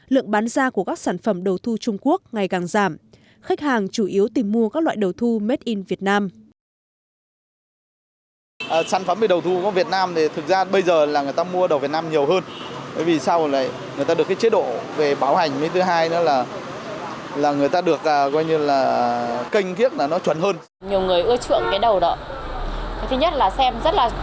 lượng bán ra của các sản phẩm đầu thu trung quốc ngày càng giảm khách hàng chủ yếu tìm mua các loại đầu thu made in việt nam